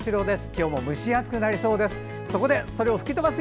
今日も蒸し暑くなりそうです。